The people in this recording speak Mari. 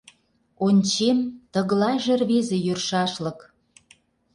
Ончем — тыглайже рвезе йӧршашлык.